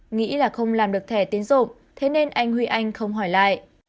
nghĩ là không làm được thẻ tiến dụng thế nên anh huy anh không hỏi lại